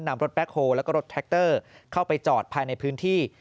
นำรถแบ็คโฮแล้วก็รถแท็กเตอร์เข้าไปจอดภายในพื้นที่